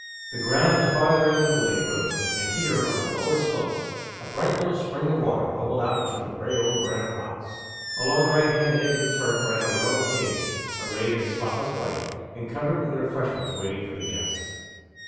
The ground at the farther end of the glade rose; and here, on the lower slopes, a bright little spring of water bubbled out between gray old granite rocks. Along the right hand edge of the turf ran a row of tables, arrayed in spotless white, and covered with refreshments waiting for the guests.